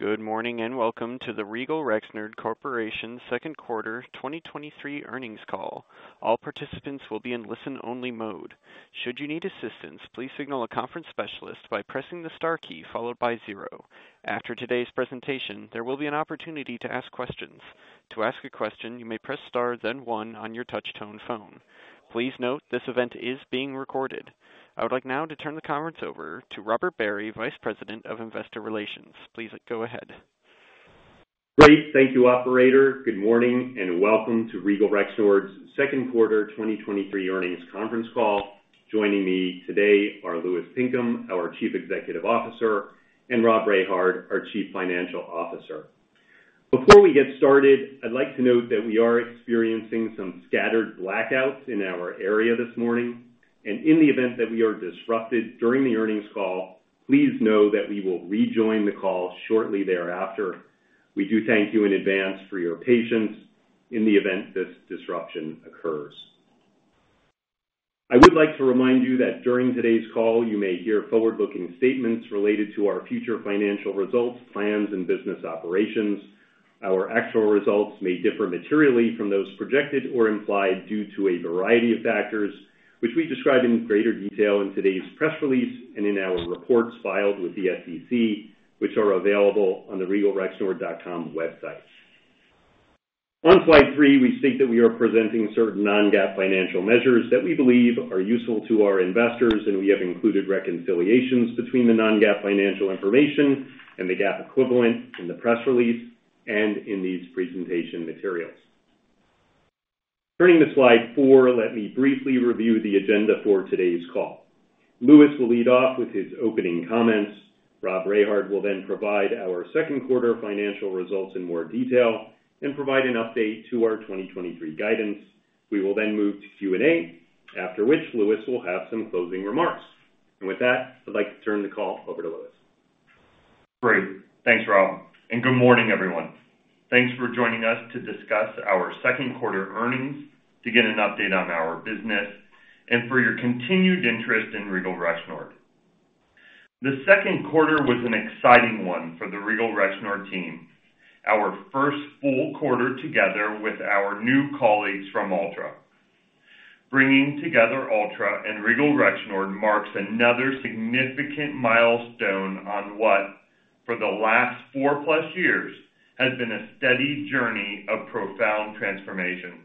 Good morning, welcome to the Regal Rexnord Corporation Q2 2023 earnings call. All participants will be in listen-only mode. Should you need assistance, please signal a conference specialist by pressing the star key followed by zero. After today's presentation, there will be an opportunity to ask questions. To ask a question, you may press Star, then one on your touchtone phone. Please note, this event is being recorded. I would like now to turn the conference over to Robert Barry, Vice President of Investor Relations. Please go ahead. Great. Thank you, operator. Good morning, and welcome to Regal Rexnord's Q2 2023 earnings conference call. Joining me today are Louis Pinkham, our Chief Executive Officer, and Rob Rehard, our Chief Financial Officer. Before we get started, I'd like to note that we are experiencing some scattered blackouts in our area this morning, and in the event that we are disrupted during the earnings call, please know that we will rejoin the call shortly thereafter. We do thank you in advance for your patience in the event this disruption occurs. I would like to remind you that during today's call, you may hear forward-looking statements related to our future financial results, plans, and business operations. Our actual results may differ materially from those projected or implied due to a variety of factors, which we describe in greater detail in today's press release and in our reports filed with the SEC, which are available on the regalrexnord.com website. On slide three, we state that we are presenting certain non-GAAP financial measures that we believe are useful to our investors, and we have included reconciliations between the non-GAAP financial information and the GAAP equivalent in the press release and in these presentation materials. With that, I'd like to turn the call over to Louis. Great. Thanks, Rob, good morning, everyone. Thanks for joining us to discuss our Q2 earnings, to get an update on our business, and for your continued interest in Regal Rexnord. The Q2 was an exciting one for the Regal Rexnord team, our first full quarter together with our new colleagues from Altra. Bringing together Altra and Regal Rexnord marks another significant milestone on what, for the last four-plus years, has been a steady journey of profound transformation.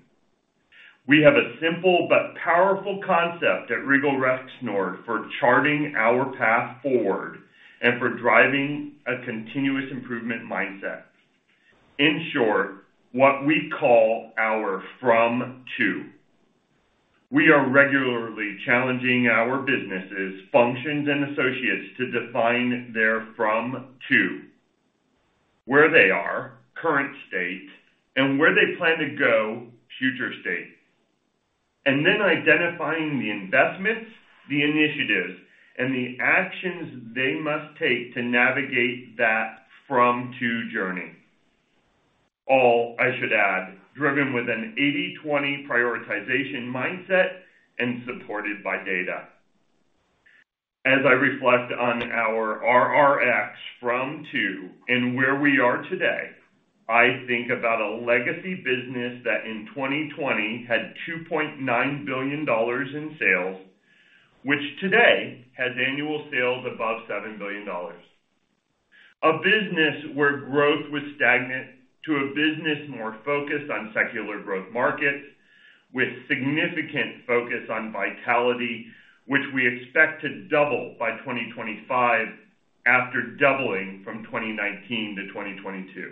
We have a simple but powerful concept at Regal Rexnord for charting our path forward and for driving a continuous improvement mindset. In short, what we call our from-to. We are regularly challenging our businesses, functions, and associates to define their from-to, where they are, current state, and where they plan to go, future state, and then identifying the investments, the initiatives, and the actions they must take to navigate that from-to journey. I should add, driven with an 80/20 prioritization mindset and supported by data. As I reflect on our RRX from-to and where we are today, I think about a legacy business that in 2020 had $2.9 billion in sales, which today has annual sales above $7 billion. A business where growth was stagnant to a business more focused on secular growth markets with significant focus on vitality, which we expect to double by 2025 after doubling from 2019 to 2022.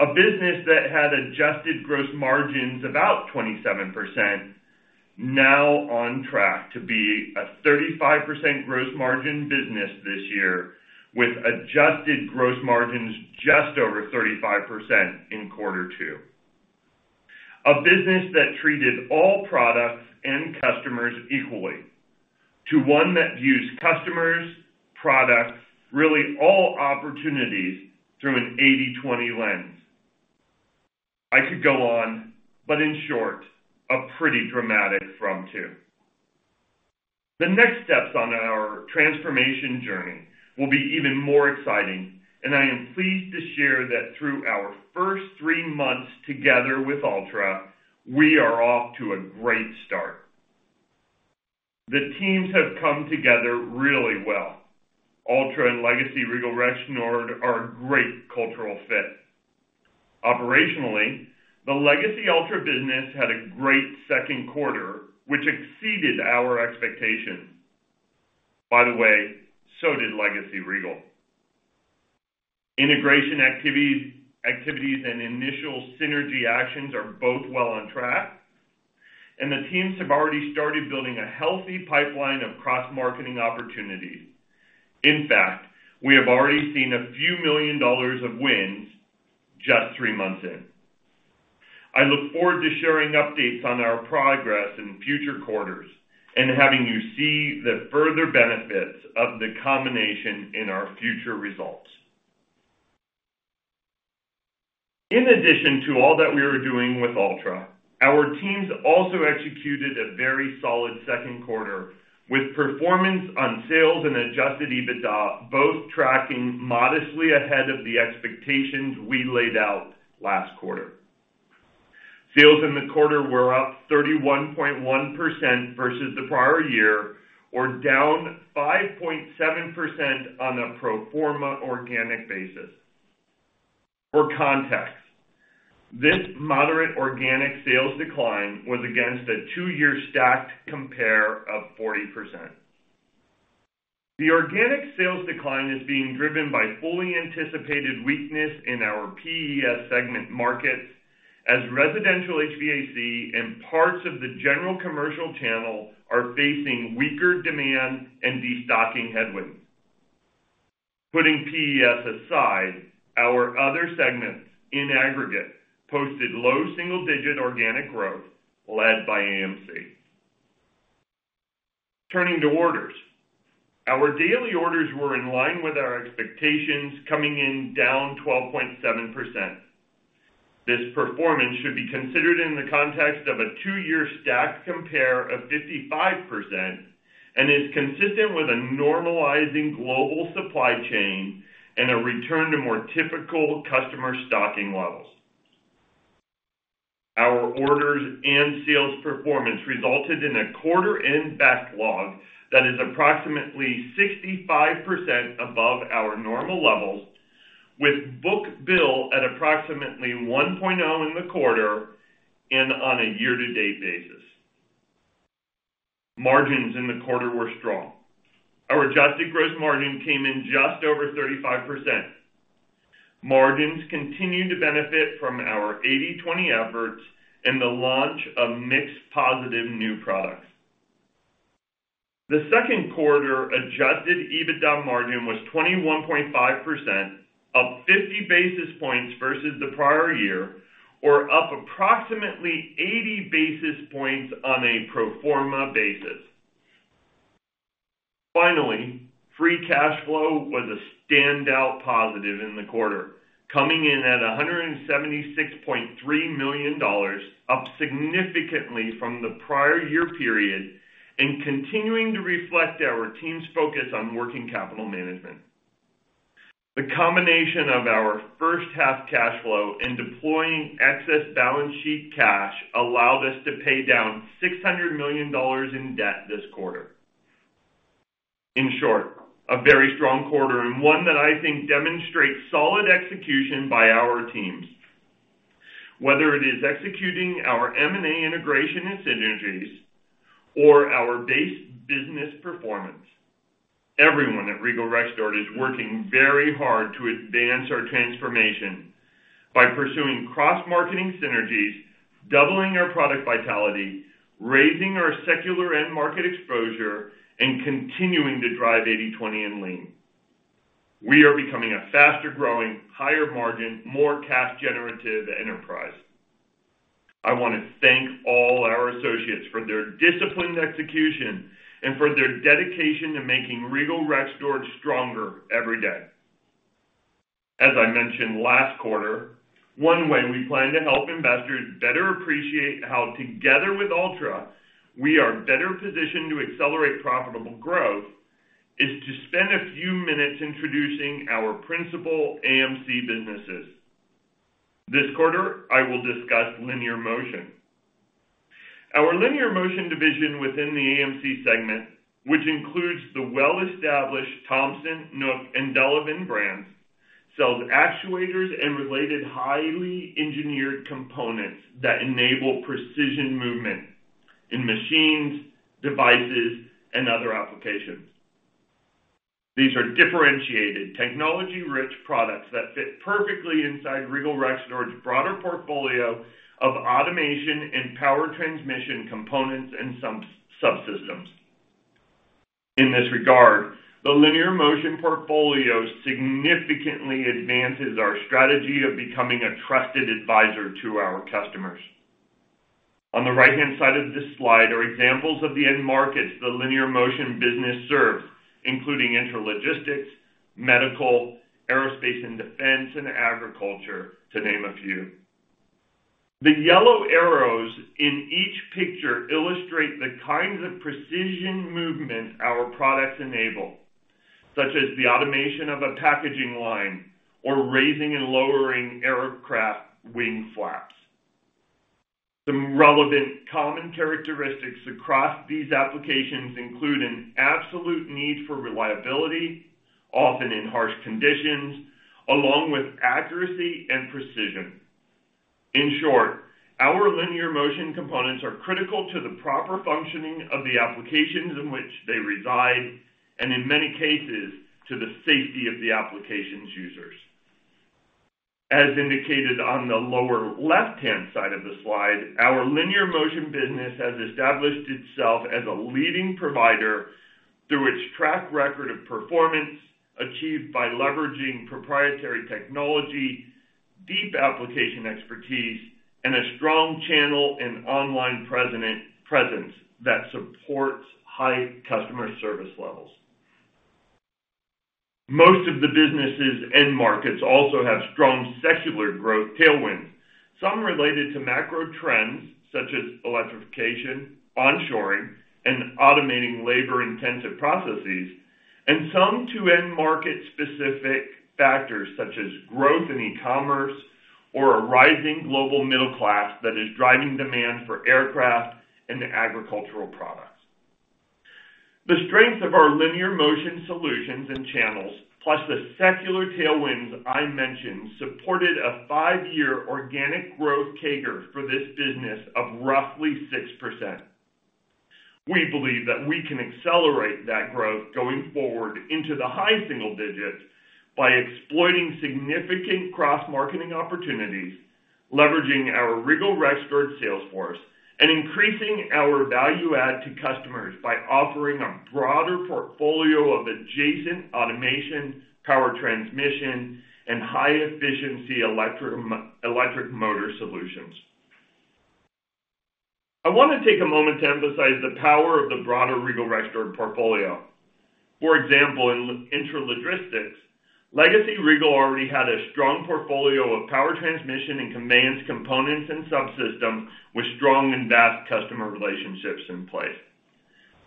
A business that had adjusted gross margins about 27%, now on track to be a 35% gross margin business this year, with adjusted gross margins just over 35% in Q2. A business that treated all products and customers equally to one that views customers, products, really all opportunities through an 80/20 lens. I could go on. In short, a pretty dramatic from-to. The next steps on our transformation journey will be even more exciting. I am pleased to share that through our first three months together with Altra, we are off to a great start. The teams have come together really well. Altra and Legacy Regal Rexnord are a great cultural fit. Operationally, the legacy Altra business had a great Q2, which exceeded our expectations. By the way, so did Legacy Regal. Integration activities, activities and initial synergy actions are both well on track, and the teams have already started building a healthy pipeline of cross-marketing opportunities. In fact, we have already seen a few million dollars of wins just 3 months in. I look forward to sharing updates on our progress in future quarters and having you see the further benefits of the combination in our future results. In addition to all that we are doing with Altra, our teams also executed a very solid Q2, with performance on sales and adjusted EBITDA both tracking modestly ahead of the expectations we laid out last quarter. Sales in the quarter were up 31.1% versus the prior year, or down 5.7% on a pro forma organic basis. For context, this moderate organic sales decline was against a 2-year stacked compare of 40%. The organic sales decline is being driven by fully anticipated weakness in our PES segment markets, as residential HVAC and parts of the general commercial channel are facing weaker demand and destocking headwinds. Putting PES aside, our other segments in aggregate posted low single-digit organic growth, led by AMC. Turning to orders. Our daily orders were in line with our expectations, coming in down 12.7%. This performance should be considered in the context of a 2-year stacked compare of 55% and is consistent with a normalizing global supply chain and a return to more typical customer stocking levels. Our orders and sales performance resulted in a quarter-end backlog that is approximately 65% above our normal levels, with book-to-bill at approximately 1.0 in the quarter and on a year-to-date basis. Margins in the quarter were strong. Our adjusted gross margin came in just over 35%. Margins continued to benefit from our 80/20 efforts and the launch of mixed positive new products. The Q2 adjusted EBITDA margin was 21.5%, up 50 basis points versus the prior year, or up approximately 80 basis points on a pro forma basis. Finally, free cash flow was a standout positive in the quarter, coming in at $176.3 million, up significantly from the prior year period and continuing to reflect our team's focus on working capital management. The combination of our first half cash flow and deploying excess balance sheet cash allowed us to pay down $600 million in debt this quarter. In short, a very strong quarter and one that I think demonstrates solid execution by our teams. Whether it is executing our M&A integration and synergies or our base business performance, everyone at Regal Rexnord is working very hard to advance our transformation by pursuing cross-marketing synergies, doubling our product vitality, raising our secular end market exposure, and continuing to drive 80/20 and Lean. We are becoming a faster-growing, higher margin, more cash-generative enterprise. I want to thank all our associates for their disciplined execution and for their dedication to making Regal Rexnord stronger every day. As I mentioned last quarter, one way we plan to help investors better appreciate how, together with Altra, we are better positioned to accelerate profitable growth, is to spend a few minutes introducing our principal AMC businesses. This quarter, I will discuss Linear Motion. Our Linear Motion division within the AMC segment, which includes the well-established Thomson, Nook, and Delevan brands, sells actuators and related highly engineered components that enable precision movement in machines, devices, and other applications. These are differentiated, technology-rich products that fit perfectly inside Regal Rexnord's broader portfolio of automation and power transmission components and subsystems. In this regard, the Linear Motion portfolio significantly advances our strategy of becoming a trusted advisor to our customers. On the right-hand side of this slide are examples of the end markets the Linear Motion business serves, including intralogistics, medical, aerospace and defense, and agriculture, to name a few. The yellow arrows in each picture illustrate the kinds of precision movement our products enable, such as the automation of a packaging line or raising and lowering aircraft wing flaps. Some relevant common characteristics across these applications include an absolute need for reliability, often in harsh conditions, along with accuracy and precision. In short, our Linear Motion components are critical to the proper functioning of the applications in which they reside, and in many cases, to the safety of the applications' users. As indicated on the lower left-hand side of the slide, our Linear Motion business has established itself as a leading provider through its track record of performance achieved by leveraging proprietary technology, deep application expertise, and a strong channel and online presence that supports high customer service levels. Most of the business's end markets also have strong secular growth tailwinds, some related to macro trends such as electrification, onshoring, and automating labor-intensive processes, and some to end market-specific factors such as growth in e-commerce or a rising global middle class that is driving demand for aircraft and agricultural products. The strength of our Linear Motion solutions and channels, plus the secular tailwinds I mentioned, supported a five-year organic growth CAGR for this business of roughly 6%. We believe that we can accelerate that growth going forward into the high single digits by exploiting significant cross-marketing opportunities, leveraging our Regal Rexnord sales force, and increasing our value add to customers by offering a broader portfolio of adjacent automation, power transmission, and high-efficiency electric motor solutions. I want to take a moment to emphasize the power of the broader Regal Rexnord portfolio. For example, in intralogistics, Legacy Regal already had a strong portfolio of power transmission and conveyance components and subsystems, with strong and vast customer relationships in place.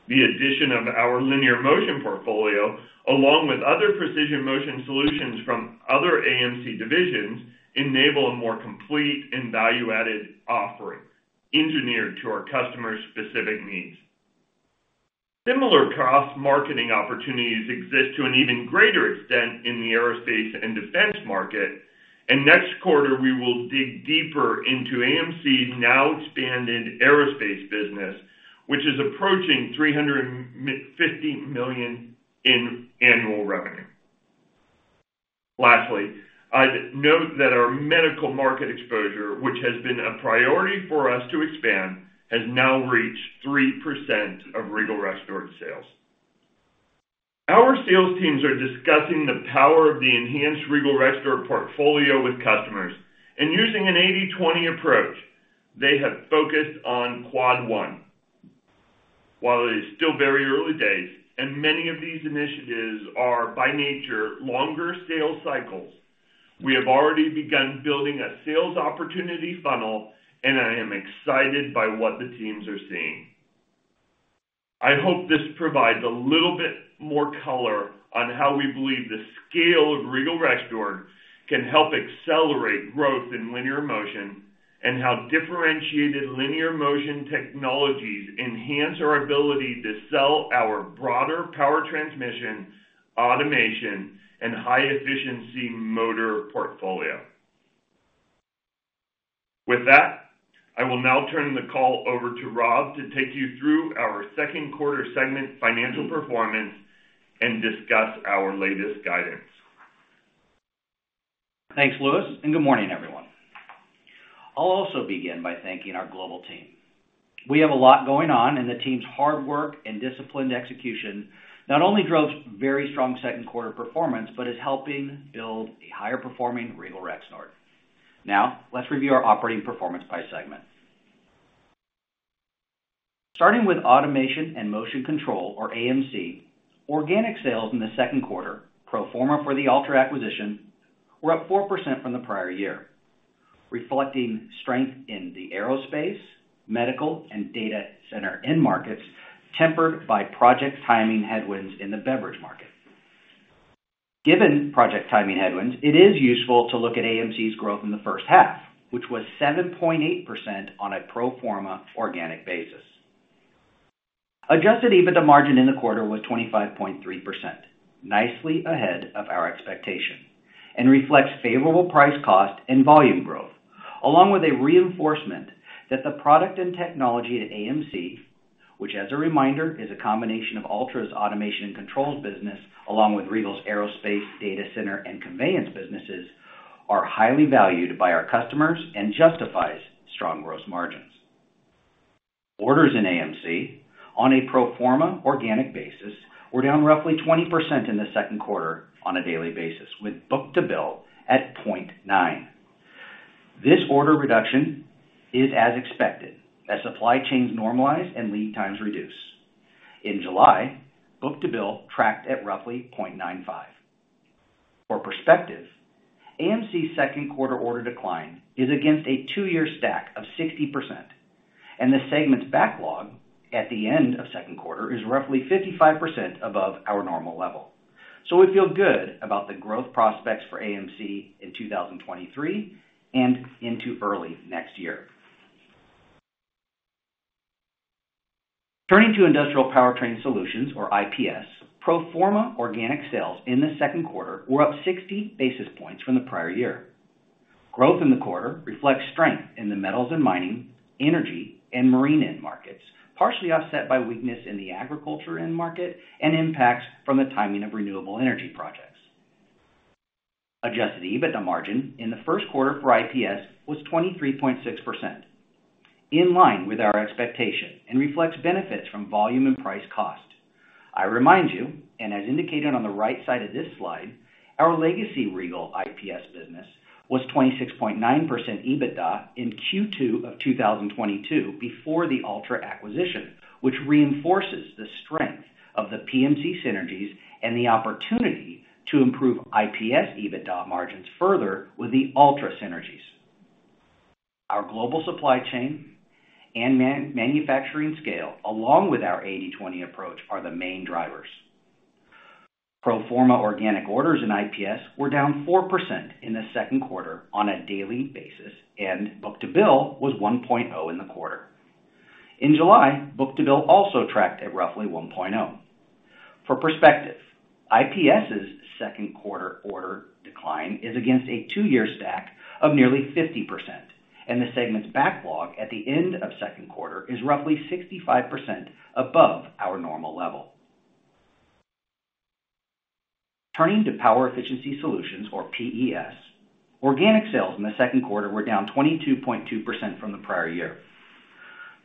The addition of our Linear Motion portfolio, along with other precision motion solutions from other AMC divisions, enable a more complete and value-added offering, engineered to our customers' specific needs. Similar cross-marketing opportunities exist to an even greater extent in the aerospace and defense market, and next quarter, we will dig deeper into AMC's now expanded aerospace business, which is approaching $350 million in annual revenue. Lastly, I'd note that our medical market exposure, which has been a priority for us to expand, has now reached 3% of Regal Rexnord sales. Our sales teams are discussing the power of the enhanced Regal Rexnord portfolio with customers, and using an 80/20 approach, they have focused on Quad One. While it is still very early days, many of these initiatives are, by nature, longer sales cycles, we have already begun building a sales opportunity funnel, and I am excited by what the teams are seeing. I hope this provides a little bit more color on how we believe the scale of Regal Rexnord can help accelerate growth in Linear Motion, and how differentiated Linear Motion technologies enhance our ability to sell our broader power transmission, automation, and high-efficiency motor portfolio. With that, I will now turn the call over to Rob to take you through our Q2 segment financial performance and discuss our latest guidance. Thanks, Louis, and good morning, everyone. I'll also begin by thanking our global team. We have a lot going on, and the team's hard work and disciplined execution not only drove very strong Q2 performance, but is helping build a higher performing Regal Rexnord. Now, let's review our operating performance by segment. Starting with Automation & Motion Control, or AMC, organic sales in the Q2, pro forma for the Altra acquisition, were up 4% from the prior year, reflecting strength in the aerospace, medical, and data center end markets, tempered by project timing headwinds in the beverage market. Given project timing headwinds, it is useful to look at AMC's growth in the first half, which was 7.8% on a pro forma organic basis. Adjusted EBITDA margin in the quarter was 25.3%, nicely ahead of our expectation, and reflects favorable price, cost, and volume growth, along with a reinforcement that the product and technology at AMC, which, as a reminder, is a combination of Altra's automation and controls business, along with Regal's aerospace, data center, and conveyance businesses, are highly valued by our customers and justifies strong growth margins. Orders in AMC on a pro forma organic basis were down roughly 20% in the Q2 on a daily basis, with book-to-bill at 0.9. This order reduction is as expected, as supply chains normalize and lead times reduce. In July, book-to-bill tracked at roughly 0.95. For perspective, AMC's Q2 order decline is against a 2-year stack of 60%, and the segment's backlog at the end of Q2 is roughly 55% above our normal level. We feel good about the growth prospects for AMC in 2023 and into early next year. Turning to Industrial Powertrain Solutions, or IPS, pro forma organic sales in the Q2 were up 60 basis points from the prior year. Growth in the quarter reflects strength in the metals and mining, energy, and marine end markets, partially offset by weakness in the agriculture end market and impacts from the timing of renewable energy projects. Adjusted EBITDA margin in the Q1 for IPS was 23.6%, in line with our expectation, and reflects benefits from volume and price cost. I remind you, as indicated on the right side of this slide, our legacy Regal IPS business was 26.9% EBITDA in Q2 of 2022, before the Altra acquisition, which reinforces the strength of the PMC synergies and the opportunity to improve IPS EBITDA margins further with the Altra synergies. Our global supply chain and manufacturing scale, along with our 80/20 approach, are the main drivers. Pro forma organic orders in IPS were down 4% in the Q2 on a daily basis, and book-to-bill was 1.0 in the quarter. In July, book-to-bill also tracked at roughly 1.0. For perspective, IPS's Q2 order decline is against a 2-year stack of nearly 50%, and the segment's backlog at the end of Q2 is roughly 65% above our normal level. Turning to Power Efficiency Solutions, or PES. Organic sales in the Q2 were down 22.2% from the prior year.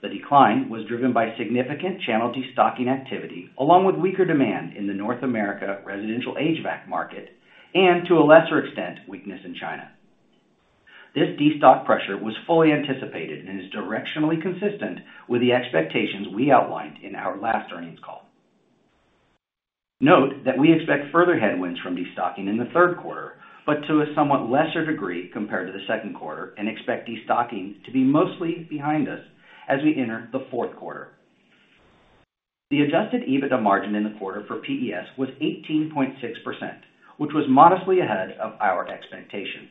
The decline was driven by significant channel destocking activity, along with weaker demand in the North America residential HVAC market, and to a lesser extent, weakness in China. This destock pressure was fully anticipated and is directionally consistent with the expectations we outlined in our last earnings call. Note that we expect further headwinds from destocking in the Q3, but to a somewhat lesser degree compared to the Q2, and expect destocking to be mostly behind us as we enter the fourth quarter. The adjusted EBITDA margin in the quarter for PES was 18.6%, which was modestly ahead of our expectation.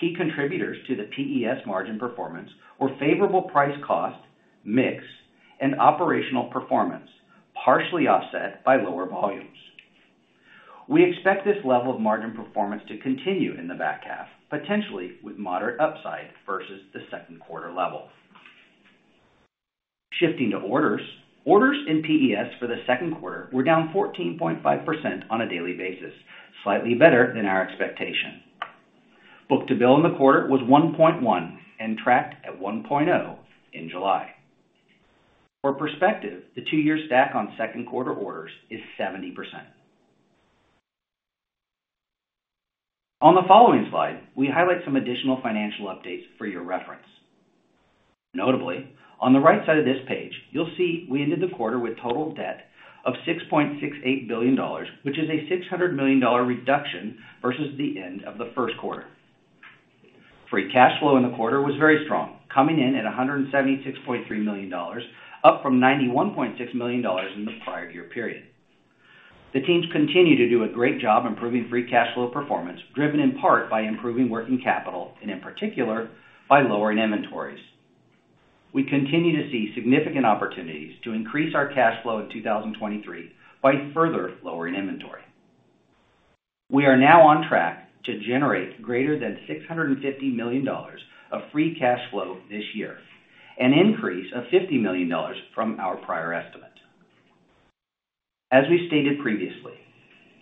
Key contributors to the PES margin performance were favorable price cost, mix, and operational performance, partially offset by lower volumes. We expect this level of margin performance to continue in the back half, potentially with moderate upside versus the Q2 level. Shifting to orders. Orders in PES for the Q2 were down 14.5% on a daily basis, slightly better than our expectation. Book-to-bill in the quarter was 1.1 and tracked at 1.0 in July. For perspective, the two-year stack on Q2 orders is 70%. On the following slide, we highlight some additional financial updates for your reference. Notably, on the right side of this page, you'll see we ended the quarter with total debt of $6.68 billion, which is a $600 million reduction versus the end of the Q1. Free cash flow in the quarter was very strong, coming in at $176.3 million, up from $91.6 million in the prior year period. The teams continue to do a great job improving free cash flow performance, driven in part by improving working capital and, in particular, by lowering inventories. We continue to see significant opportunities to increase our cash flow in 2023 by further lowering inventory. We are now on track to generate greater than $650 million of free cash flow this year, an increase of $50 million from our prior estimate. As we stated previously,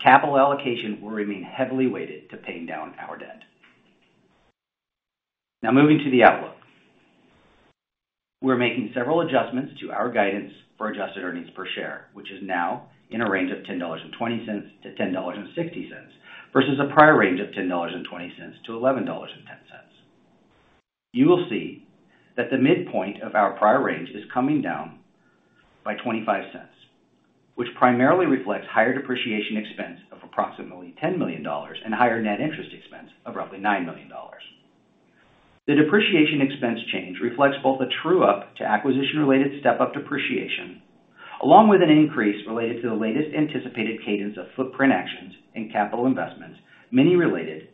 capital allocation will remain heavily weighted to paying down our debt. Now, moving to the outlook. We're making several adjustments to our guidance for adjusted earnings per share, which is now in a range of $10.20-$10.60, versus a prior range of $10.20-$11.10. You will see that the midpoint of our prior range is coming down by $0.25, which primarily reflects higher depreciation expense of approximately $10 million and higher net interest expense of roughly $9 million. The depreciation expense change reflects both a true-up to acquisition-related step-up depreciation, along with an increase related to the latest anticipated cadence of footprint actions and capital investments, many related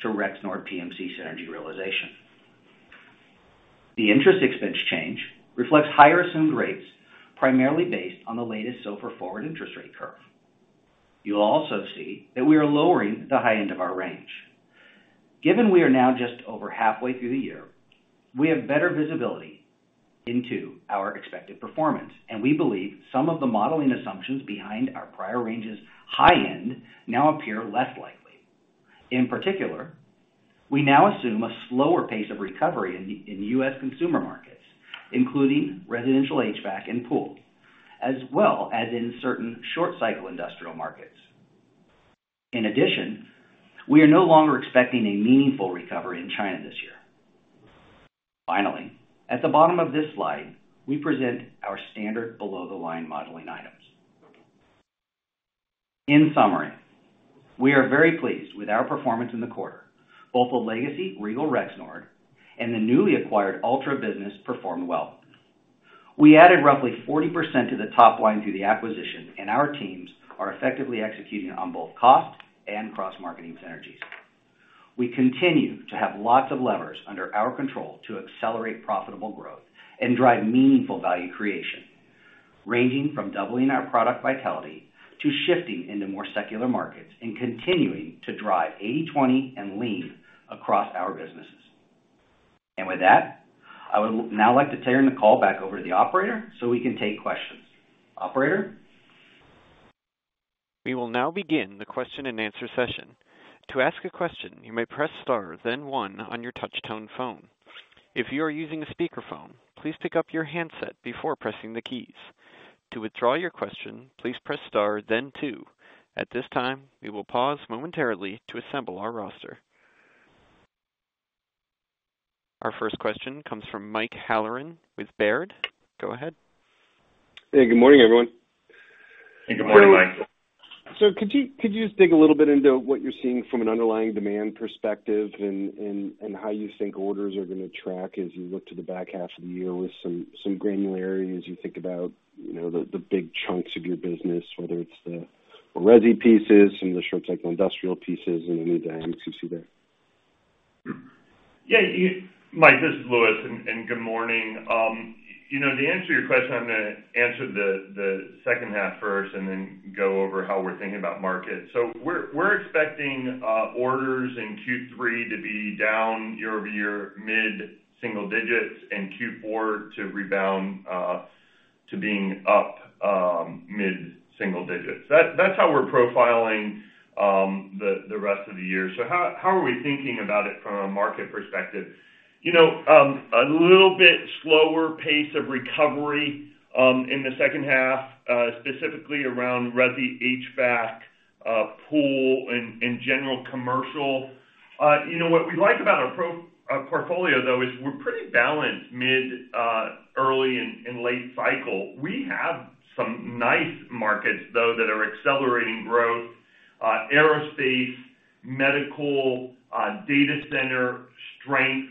to Rexnord PMC synergy realization. The interest expense change reflects higher assumed rates, primarily based on the latest SOFR forward interest rate curve. You'll also see that we are lowering the high end of our range. Given we are now just over halfway through the year, we have better visibility into our expected performance, and we believe some of the modeling assumptions behind our prior range's high end now appear less likely. In particular, we now assume a slower pace of recovery in U.S. consumer markets, including residential HVAC and pool, as well as in certain short-cycle industrial markets. In addition, we are no longer expecting a meaningful recovery in China this year. Finally, at the bottom of this slide, we present our standard below-the-line modeling items. In summary, we are very pleased with our performance in the quarter. Both the Legacy Regal Rexnord and the newly acquired Altra business performed well. We added roughly 40% to the top line through the acquisition, and our teams are effectively executing on both cost and cross-marketing synergies. We continue to have lots of levers under our control to accelerate profitable growth and drive meaningful value creation, ranging from doubling our product vitality to shifting into more secular markets and continuing to drive 80/20 and Lean across our businesses. With that, I would now like to turn the call back over to the operator, so we can take questions. Operator? We will now begin the question-and-answer session. To ask a question, you may press star, then one on your touchtone phone. If you are using a speakerphone, please pick up your handset before pressing the keys. To withdraw your question, please press star then two. At this time, we will pause momentarily to assemble our roster. Our first question comes from Mike Halloran with Baird. Go ahead. Hey, good morning, everyone. Good morning, Mike. Could you, could you just dig a little bit into what you're seeing from an underlying demand perspective and, and, and how you think orders are gonna track as you look to the back half of the year with some, some granularity as you think about, you know, the, the big chunks of your business, whether it's the resi pieces and the short cycle industrial pieces, and any dynamics you see there? Yeah, Mike, this is Louis, and good morning. You know, to answer your question, I'm gonna answer the second half first and go over how we're thinking about market. We're expecting orders in Q3 to be down year-over-year, mid-single digits, and Q4 to rebound to being up mid-single digits. That's how we're profiling the rest of the year. How are we thinking about it from a market perspective? You know, a little bit slower pace of recovery in the second half, specifically around resi, HVAC, pool, and general commercial. You know, what we like about our portfolio, though, is we're pretty balanced mid, early and late cycle. We have some nice markets, though, that are accelerating growth, aerospace, medical, data center, strength.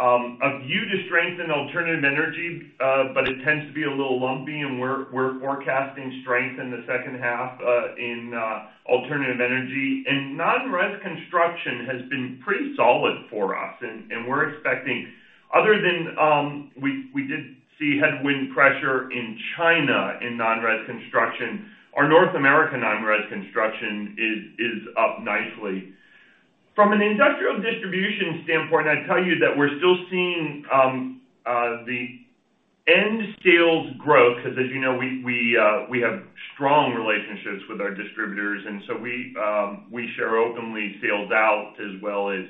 A view to strength in alternative energy, but it tends to be a little lumpy, and we're forecasting strength in the 2nd half in alternative energy. Non-res construction has been pretty solid for us, and we're expecting. Other than, we did see headwind pressure in China, in non-res construction. Our North American non-res construction is up nicely. From an industrial distribution standpoint, I'd tell you that we're still seeing the end sales growth, because as you know, we have strong relationships with our distributors, and so we share openly sales out as well as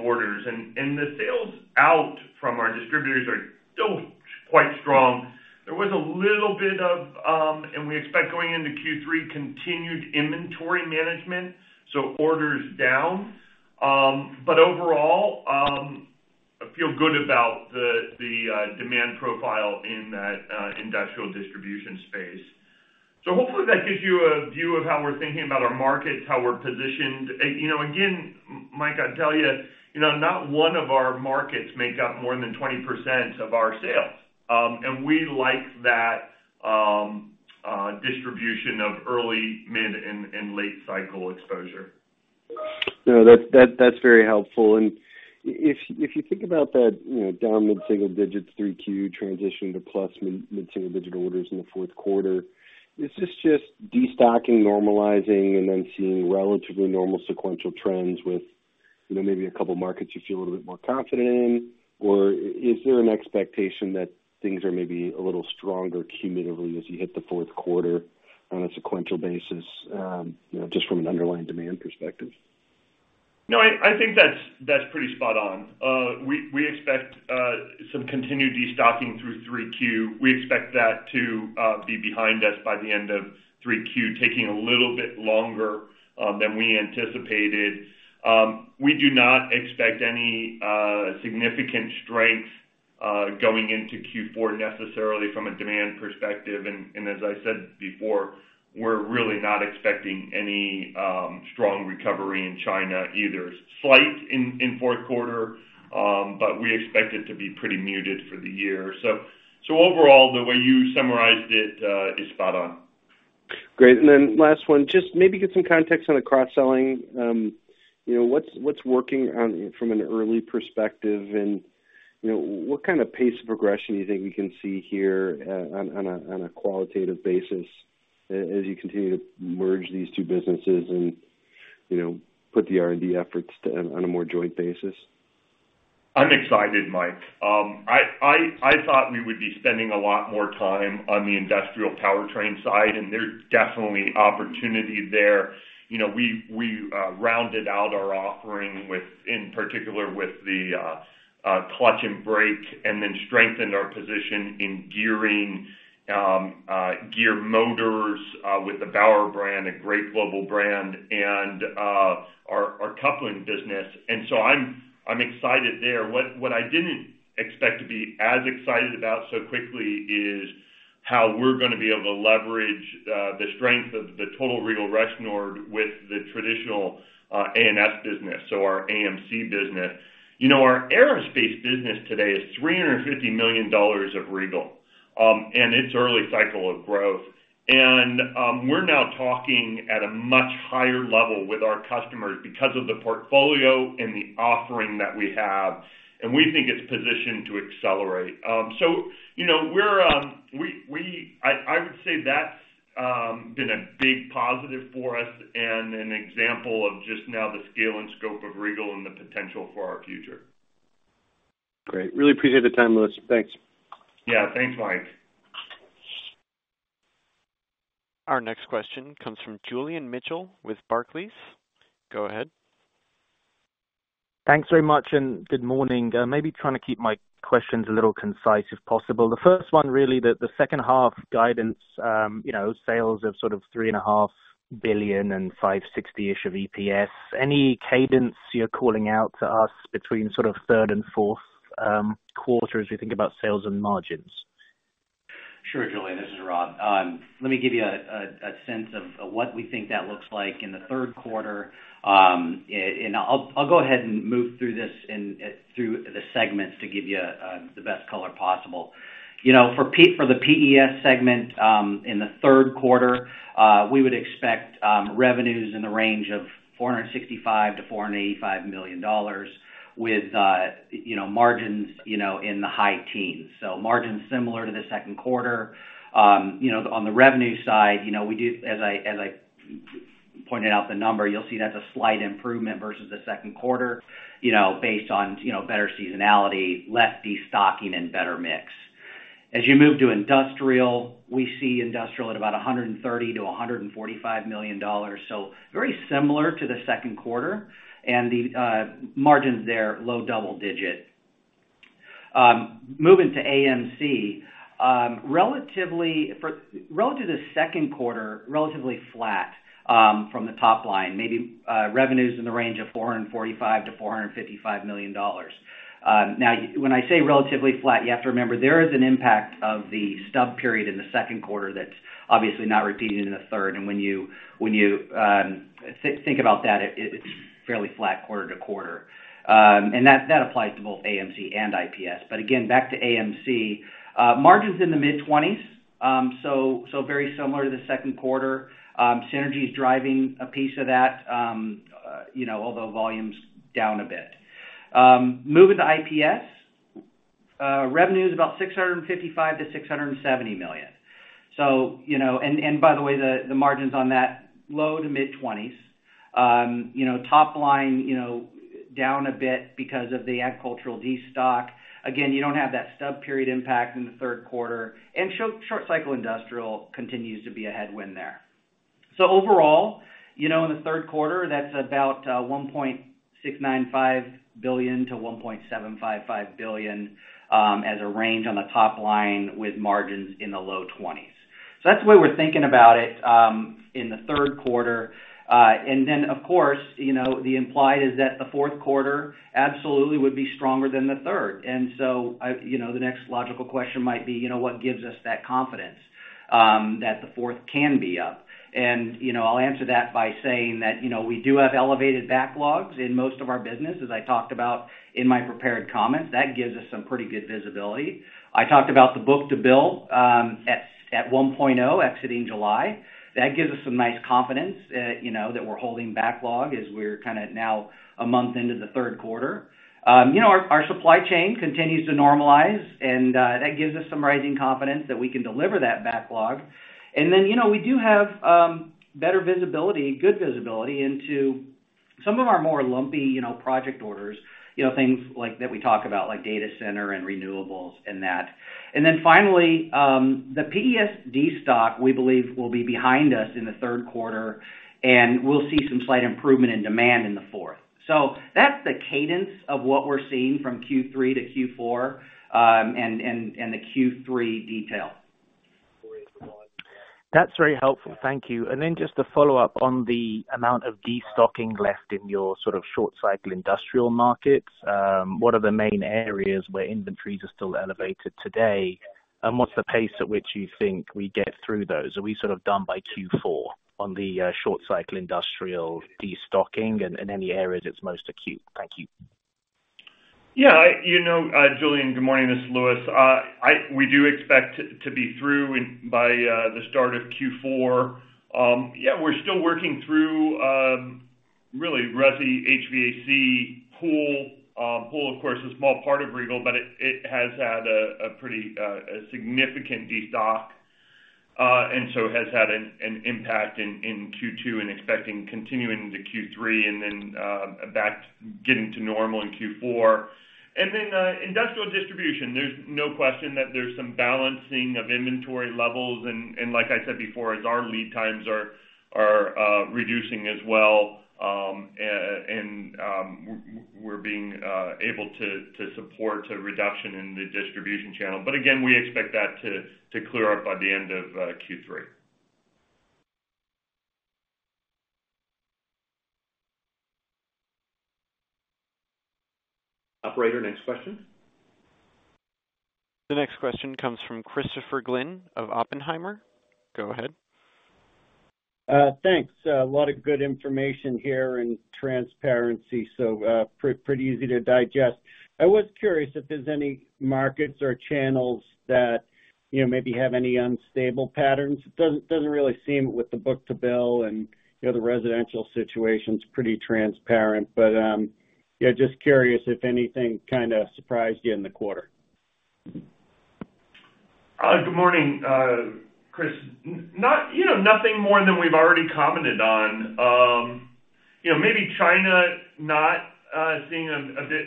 orders. The sales out from our distributors are still quite strong. There was a little bit of, we expect going into Q3, continued inventory management, so orders down. Overall, I feel good about the demand profile in that industrial distribution space. Hopefully that gives you a view of how we're thinking about our markets, how we're positioned. You know, again, M-Mike, I'd tell you, you know, not one of our markets make up more than 20% of our sales. We like that distribution of early, mid, and, and late cycle exposure. No, that's, that, that's very helpful. If, if you think about that, you know, down mid-single digits, 3Q transition to plus mid-single digit orders in the 4th quarter, is this just destocking, normalizing, and then seeing relatively normal sequential trends with, you know, maybe a couple of markets you feel a little bit more confident in? Or is there an expectation that things are maybe a little stronger cumulatively as you hit the 4th quarter on a sequential basis, you know, just from an underlying demand perspective? No, I, I think that's, that's pretty spot on. We, we expect some continued destocking through 3Q. We expect that to be behind us by the end of 3Q, taking a little bit longer than we anticipated. We do not expect any significant strength going into Q4, necessarily from a demand perspective. As I said before, we're really not expecting any strong recovery in China either. Slight in, in fourth quarter, but we expect it to be pretty muted for the year. Overall, the way you summarized it, is spot on. Great. Last one, just maybe get some context on the cross-selling. You know, what's, what's working on from an early perspective? You know, what kind of pace of progression do you think we can see here on a qualitative basis as you continue to merge these two businesses and, you know, put the R&D efforts on a more joint basis? I'm excited, Mike. I thought we would be spending a lot more time on the industrial powertrain side, and there's definitely opportunity there. You know, we, we rounded out our offering with, in particular, with the clutch and brake, and then strengthened our position in gearing, gear motors, with the Bauer Brand, a great global brand, and our coupling business. And so I'm, I'm excited there. What I didn't expect to be as excited about so quickly is how we're gonna be able to leverage the strength of the total Regal Rexnord with the traditional A&S business, so our AMC business. You know, our aerospace business today is $350 million of Regal, and it's early cycle of growth. We're now talking at a much higher level with our customers because of the portfolio and the offering that we have, and we think it's positioned to accelerate. You know, we're, I would say that's been a big positive for us and an example of just now the scale and scope of Regal and the potential for our future. Great. Really appreciate the time, Louis. Thanks. Yeah, thanks, Mike. Our next question comes from Julian Mitchell with Barclays. Go ahead. Thanks very much, and good morning. Maybe trying to keep my questions a little concise, if possible. The first one, really, the, the second half guidance, you know, sales of sort of $3.5 billion and $5.60-ish of EPS. Any cadence you're calling out to us between sort of 3rd and 4th quarters as we think about sales and margins? Sure, Julian, this is Rob. Let me give you a sense of what we think that looks like in the Q3. I'll go ahead and move through this and through the segments to give you the best color possible. You know, for the PES segment, in the Q3, we would expect revenues in the range of $465 million-$485 million with, you know, margins, you know, in the high teens. Margins similar to the Q2. You know, on the revenue side, you know, we do as I pointed out the number, you'll see that's a slight improvement versus the Q2, you know, based on, you know, better seasonality, less destocking, and better mix. As you move to industrial, we see industrial at about $130 million-$145 million, so very similar to the Q2, and the margins there, low double digit. Moving to AMC, relative to Q2, relatively flat from the top line, maybe revenues in the range of $445 million-$455 million. Now, when I say relatively flat, you have to remember, there is an impact of the stub period in the Q2 that's obviously not repeated in the third. When you, when you think about that, it, it's fairly flat quarter to quarter. Again, back to AMC, margins in the mid-twenties, so, so very similar to the Q2. Synergy is driving a piece of that, you know, although volume's down a bit. Moving to IPS, revenue is about $655 million-$670 million. You know, by the way, the margins on that, low to mid-twenties. You know, top line, you know, down a bit because of the agricultural destock. Again, you don't have that stub period impact in the Q3, and short cycle industrial continues to be a headwind there. Overall, you know, in the Q3, that's about $1.695 billion-$1.755 billion as a range on the top line with margins in the low twenties. That's the way we're thinking about it in the Q3. Then, of course, you know, the implied is that the fourth quarter absolutely would be stronger than the third. So, you know, the next logical question might be, you know, what gives us that confidence that the fourth can be up? You know, I'll answer that by saying that, you know, we do have elevated backlogs in most of our business, as I talked about in my prepared comments. That gives us some pretty good visibility. I talked about the book-to-bill at 1.0, exiting July. That gives us some nice confidence, you know, that we're holding backlog as we're kind of now a month into the Q3. You know, our, our supply chain continues to normalize, and that gives us some rising confidence that we can deliver that backlog. You know, we do have better visibility, good visibility into some of our more lumpy, you know, project orders, things that we talk about, like data center and renewables and that. Finally, the PES destock, we believe, will be behind us in the Q3, and we'll see some slight improvement in demand in the fourth. That's the cadence of what we're seeing from Q3 to Q4, and, and, and the Q3 detail. That's very helpful. Thank you. Then just to follow up on the amount of destocking left in your sort of short cycle industrial markets, what are the main areas where inventories are still elevated today? What's the pace at which you think we get through those? Are we sort of done by Q4 on the short cycle industrial destocking and any areas it's most acute? Thank you. Yeah, you know, Julian, good morning, this is Louis. I... We do expect to be through in, by the start of Q4. Yeah, we're still working through, really, resi, HVAC, pool. Pool, of course, a small part of Regal, but it, it has had a pretty significant destock, and so has had an impact in Q2 and expecting continuing into Q3 and then that getting to normal in Q4. Industrial distribution, there's no question that there's some balancing of inventory levels. Like I said before, as our lead times are reducing as well, and we're being able to support a reduction in the distribution channel. Again, we expect that to clear up by the end of Q3. Operator, next question. The next question comes from Christopher Glynn of Oppenheimer. Go ahead. Thanks. A lot of good information here and transparency, so, pretty easy to digest. I was curious if there's any markets or channels that, you know, maybe have any unstable patterns. It doesn't really seem with the book-to-bill and, you know, the residential situation's pretty transparent, but, yeah, just curious if anything kind of surprised you in the quarter? Good morning, Chris. Not, you know, nothing more than we've already commented on. You know, maybe China not seeing a bit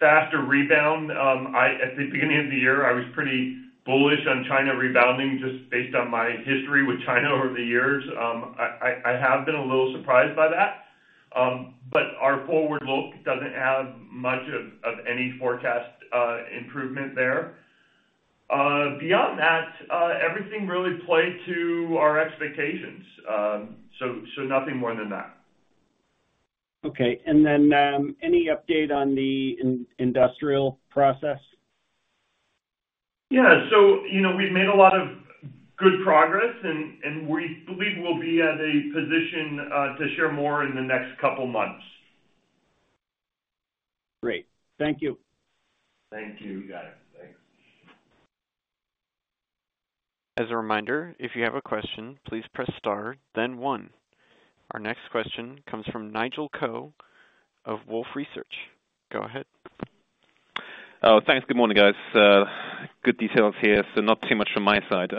faster rebound. At the beginning of the year, I was pretty bullish on China rebounding, just based on my history with China over the years. I, I, I have been a little surprised by that. Our forward look doesn't have much of, of any forecast improvement there. Beyond that, everything really played to our expectations. So, nothing more than that. Okay, and then, any update on the industrial process? Yeah. you know, we've made a lot of good progress, and, and we believe we'll be at a position to share more in the next couple months. Great. Thank you. Thank you. You got it. Thanks. As a reminder, if you have a question, please press star, then one. Our next question comes from Nigel Coe of Wolfe Research. Go ahead. Oh, thanks. Good morning, guys. Good details here, not too much from my side.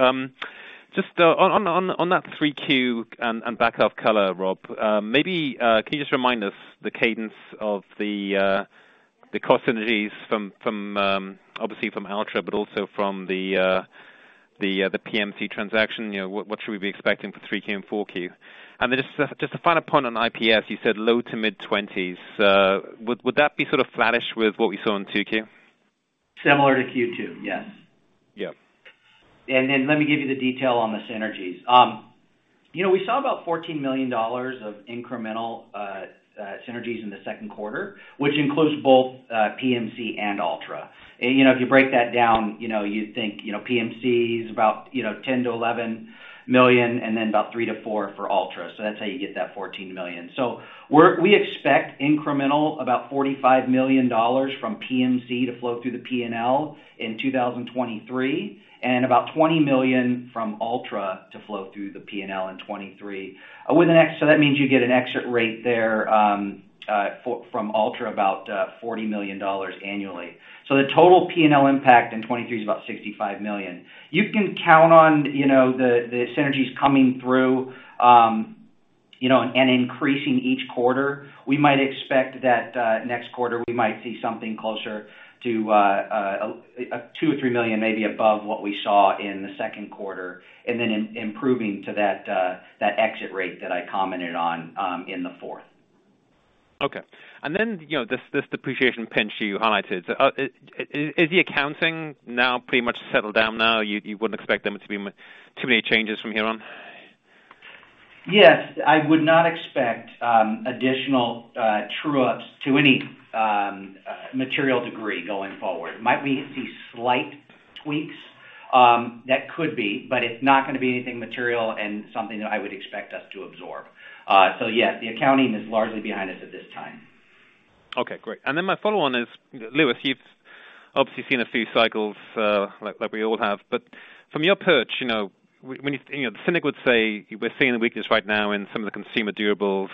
Just on that 3Q and back half color, Rob, maybe can you just remind us the cadence of the cost synergies from obviously from Altra, also from the PMC transaction? You know, what should we be expecting for 3Q and 4Q? Then just a final point on IPS, you said low to mid-20s. Would that be sort of flattish with what we saw in 2Q? Similar to Q2, yes. Yeah. Let me give you the detail on the synergies. You know, we saw about $14 million of incremental synergies in the Q2, which includes both PMC and Altra. You know, if you break that down, you know, you'd think, you know, PMC is about, you know, $10 million-$11 million, and then about $3 million-$4 million for Altra. That's how you get that $14 million. We expect incremental about $45 million from PMC to flow through the P&L in 2023, and about $20 million from Altra to flow through the P&L in 2023. With that means you get an exit rate there for, from Altra about $40 million annually. The total P&L impact in 2023 is about $65 million. You can count on, you know, the synergies coming through, you know, and increasing each quarter. We might expect that next quarter, we might see something closer to $2 million-$3 million, maybe above what we saw in the Q2, and then improving to that exit rate that I commented on in the fourth. Okay. Then, you know, this, this depreciation pinch you highlighted. Is the accounting now pretty much settled down now, you, you wouldn't expect there to be too many changes from here on? Yes, I would not expect additional true ups to any material degree going forward. Might we see slight tweaks? That could be, but it's not gonna be anything material and something that I would expect us to absorb. Yeah, the accounting is largely behind us at this time. Okay, great. My follow on is, Louis, you've obviously seen a few cycles, like, like we all have. From your perch, you know, when you, you know, the cynic would say, we're seeing the weakness right now in some of the consumer durables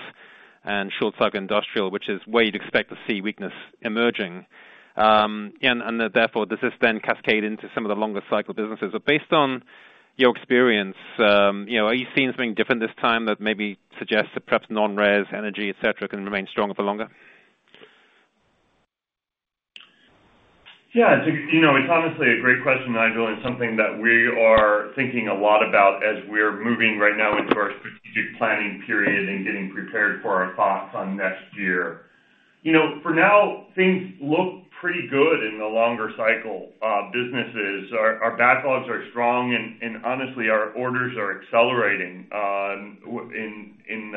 and short cycle industrial, which is where you'd expect to see weakness emerging. Therefore, does this then cascade into some of the longer cycle businesses? Based on your experience, you know, are you seeing something different this time that maybe suggests that perhaps non-res, energy, et cetera, can remain stronger for longer? Yeah, you know, it's honestly a great question, Nigel, and something that we are thinking a lot about as we're moving right now into our strategic planning period and getting prepared for our thoughts on next year. You know, for now, things look pretty good in the longer cycle businesses. Our, our backlogs are strong and, and honestly, our orders are accelerating in, in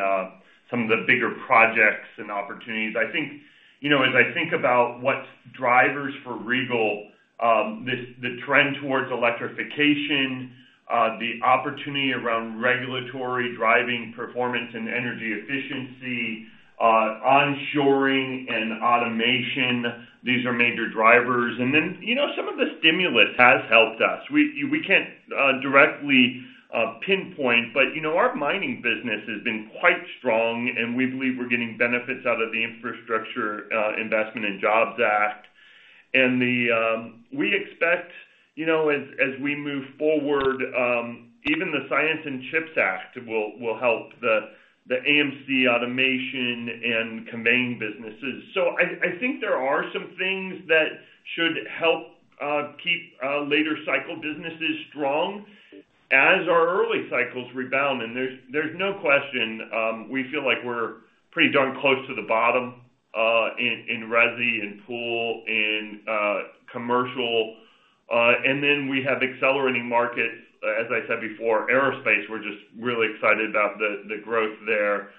some of the bigger projects and opportunities. I think, you know, as I think about what's drivers for Regal, the trend towards electrification, the opportunity around regulatory, driving performance and energy efficiency, onshoring and automation, these are major drivers. Then, you know, some of the stimulus has helped us. We, we can't directly pinpoint, but, you know, our mining business has been quite strong. We believe we're getting benefits out of the Infrastructure Investment and Jobs Act. We expect, you know, as, as we move forward, even the CHIPS and Science Act will help the AMC automation and conveying businesses. I think there are some things that should help keep later cycle businesses strong as our early cycles rebound. There's no question, we feel like we're pretty darn close to the bottom in resi and pool, in commercial. We have accelerating markets, as I said before, aerospace, we're just really excited about the growth there,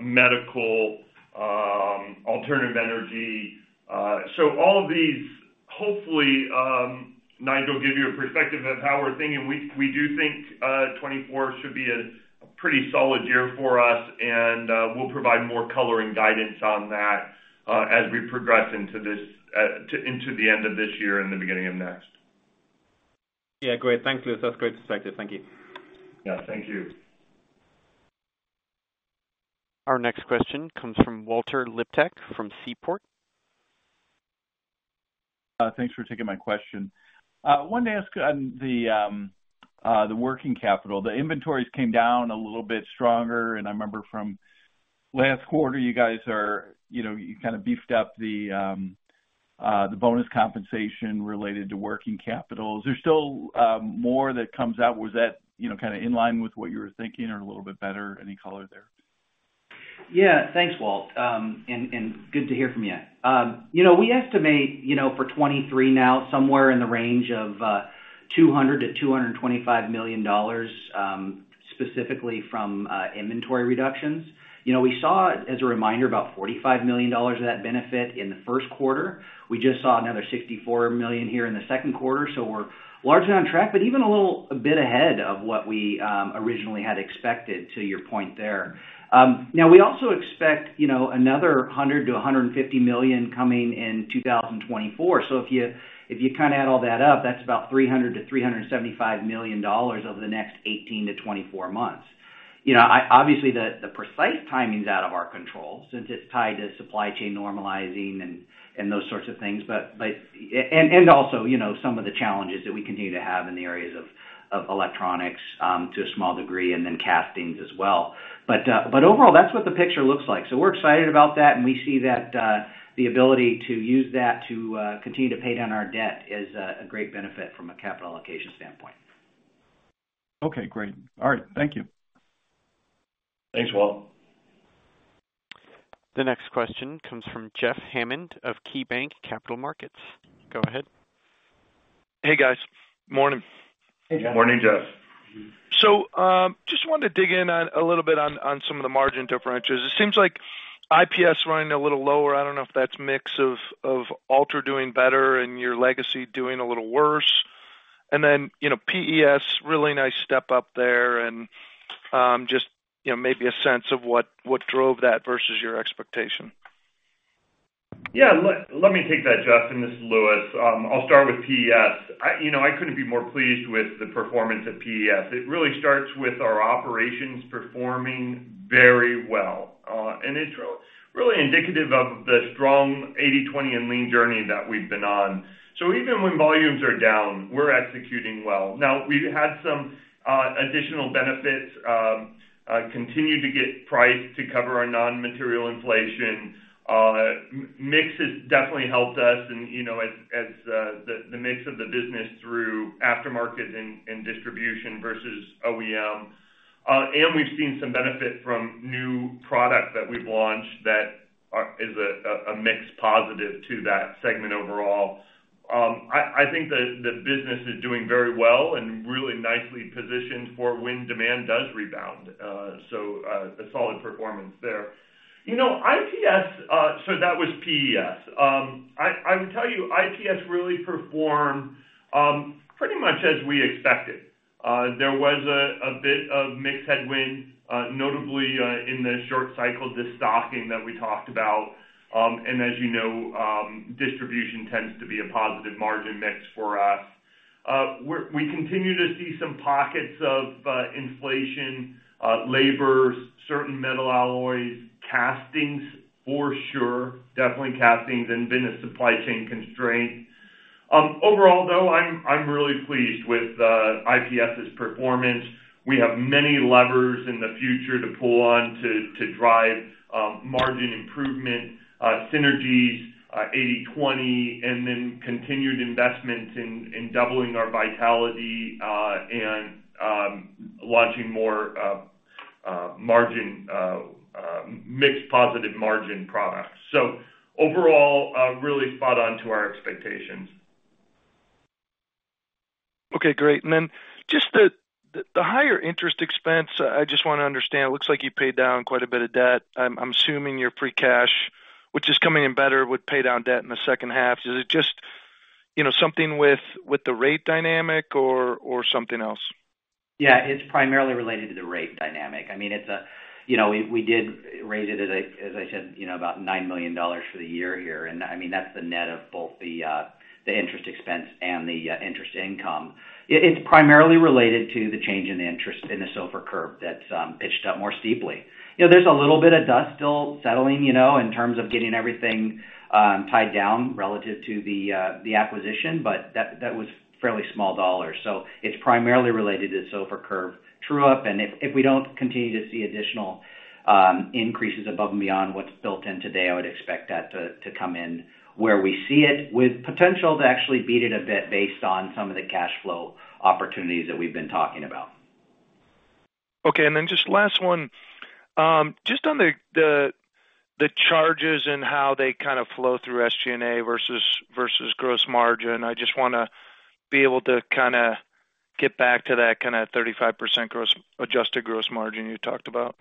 medical, alternative energy. All of these, hopefully, Nigel, give you a perspective of how we're thinking. We, we do think, 2024 should be a, a pretty solid year for us, and we'll provide more color and guidance on that as we progress into this into the end of this year and the beginning of next. Yeah, great. Thanks, Louis. That's great perspective. Thank you. Yeah, thank you. Our next question comes from Walter Liptak, from Seaport. Thanks for taking my question. Wanted to ask on the, the working capital. The inventories came down a little bit stronger, and I remember from last quarter, you guys are, you know, you kind of beefed up the, the bonus compensation related to working capital. Is there still more that comes out? Was that, you know, kind of in line with what you were thinking or a little bit better? Any color there? Yeah, thanks, Walt. And good to hear from you. You know, we estimate, you know, for 2023 now, somewhere in the range of $200 million-$225 million, specifically from inventory reductions. You know, we saw, as a reminder, about $45 million of that benefit in the 1st quarter. We just saw another $64 million here in the 2nd quarter, so we're largely on track, but even a little a bit ahead of what we originally had expected, to your point there. Now, we also expect, you know, another $100 million-$150 million coming in 2024. If you, if you kind of add all that up, that's about $300 million-$375 million over the next 18-24 months. You know, obviously, the precise timing's out of our control since it's tied to supply chain normalizing and those sorts of things. Also, you know, some of the challenges that we continue to have in the areas of electronics, to a small degree, and then castings as well. Overall, that's what the picture looks like. We're excited about that, and we see that the ability to use that to continue to pay down our debt is a great benefit from a capital allocation standpoint. Okay, great. All right. Thank you. Thanks, Walt. The next question comes from Jeffrey Hammond of KeyBanc Capital Markets. Go ahead. Hey, guys. Morning. Hey, Jeff. Morning, Jeff. Just wanted to dig in a little bit on some of the margin differences. It seems like IPS running a little lower. I don't know if that's mix of Altra doing better and your legacy doing a little worse. You know, PES, really nice step up there and, just, you know, maybe a sense of what, what drove that versus your expectation. Yeah, let, let me take that, Jeff, and this is Louis. I'll start with PES. You know, I couldn't be more pleased with the performance of PES. It really starts with our operations performing very well, and it's really indicative of the strong 80/20 and Lean journey that we've been on. Even when volumes are down, we're executing well. Now, we've had some additional benefits, continue to get price to cover our non-material inflation. Mix has definitely helped us and, you know, as, as the mix of the business through aftermarket and distribution versus OEM. And we've seen some benefit from new product that we've launched that is a mix positive to that segment overall. I think the business is doing very well and really nicely positioned for when demand does rebound. A solid performance there. You know, IPS, so that was PES. I, I would tell you, IPS really performed pretty much as we expected. There was a bit of mixed headwind, notably in the short cycle, this stocking that we talked about. As you know, distribution tends to be a positive margin mix for us. We continue to see some pockets of inflation, labor, certain metal alloys, castings for sure. Definitely castings and business supply chain constraints. Overall, though, I'm really pleased with the IPS's performance. We have many levers in the future to pull on to drive margin improvement, synergies, 80/20, and then continued investments in doubling our vitality and launching more margin mixed positive margin products. Overall, really spot on to our expectations. Okay, great. Then just the, the, the higher interest expense, I just want to understand. It looks like you paid down quite a bit of debt. I'm, I'm assuming your free cash, which is coming in better, would pay down debt in the second half. Is it just, you know, something with, with the rate dynamic or, or something else? Yeah, it's primarily related to the rate dynamic. I mean, You know, we, we did rate it, as I, as I said, you know, about $9 million for the year here, and, I mean, that's the net of both the interest expense and the interest income. It, it's primarily related to the change in the interest in the SOFR curve that's pitched up more steeply. You know, there's a little bit of dust still settling, you know, in terms of getting everything tied down relative to the acquisition, but that, that was fairly small dollar. It's primarily related to SOFR curve true-up, and if, if we don't continue to see additional increases above and beyond what's built in today, I would expect that to, to come in where we see it, with potential to actually beat it a bit based on some of the cash flow opportunities that we've been talking about. Okay, just last one. Just on the charges and how they kind of flow through SG&A versus, versus gross margin, I just wanna be able to kinda get back to that kind of 35% adjusted gross margin you talked about.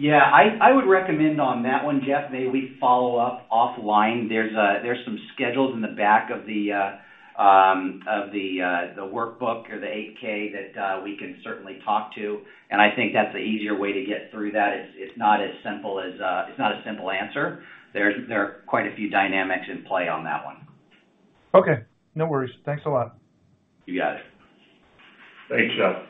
Yeah, I, I would recommend on that one, Jeff, may we follow up offline? There's, there's some schedules in the back of the, of the, the workbook or the 8-K that we can certainly talk to, and I think that's the easier way to get through that. It's, it's not as simple as, it's not a simple answer. There's, there are quite a few dynamics in play on that one. Okay, no worries. Thanks a lot. You got it. Thanks, Jeff.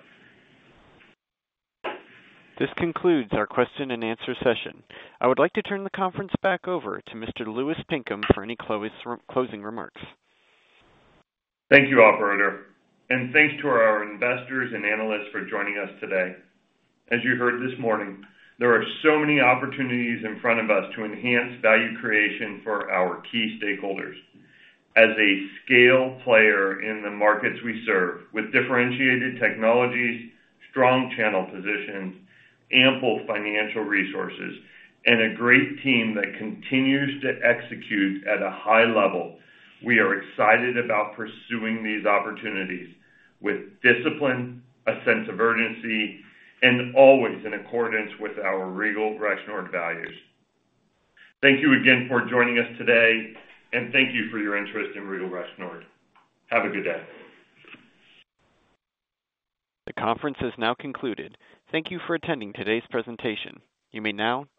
This concludes our question and answer session. I would like to turn the conference back over to Mr. Louis Pinkham for any closing remarks. Thank you, operator, thanks to our investors and analysts for joining us today. As you heard this morning, there are so many opportunities in front of us to enhance value creation for our key stakeholders. As a scale player in the markets we serve, with differentiated technologies, strong channel positions, ample financial resources, and a great team that continues to execute at a high level, we are excited about pursuing these opportunities with discipline, a sense of urgency, and always in accordance with our Regal Rexnord values. Thank you again for joining us today, thank you for your interest in Regal Rexnord. Have a good day. The conference is now concluded. Thank you for attending today's presentation. You may now disconnect.